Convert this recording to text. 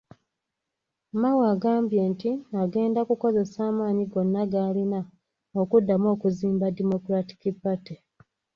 Mao agambye nti agenda kukozesa amaanyi gonna g'alina okuddamu okuzimba Democratic Party.